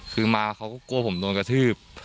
คือมาเขาก็กลัวผมโดนกระทืบ